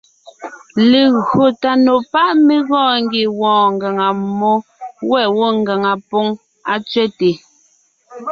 Legÿo tà nò pá’ mé gɔɔn ngie wɔɔn ngàŋa mmó, wὲ gwɔ́ ngàŋa póŋ á tsẅέte.